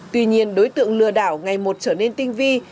tuy nhiên đối tượng lừa đảo ngày một trở nên tinh vi